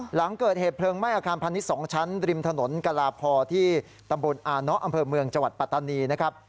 หลังเกิดเหตุเพลิงไหม้อาคารพาณิชย์๒ชั้นริมถนนกลาพอที่ตำบลอาเนาะอำเภอเมืองจังหวัดปัตตานีนะครับ